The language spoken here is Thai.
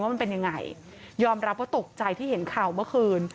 มันเป็นยังไงยอมรับว่าตกใจที่เห็นข่าวเมื่อคืน